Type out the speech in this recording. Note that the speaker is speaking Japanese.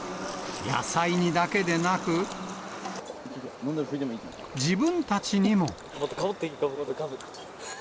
野菜にだけでなく、自分たちにも。